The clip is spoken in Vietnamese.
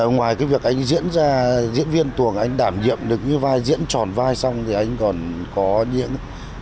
ngoài cái việc anh diễn ra diễn viên tuồng anh đảm nhiệm được cái vai diễn tròn vai xong thì anh còn có những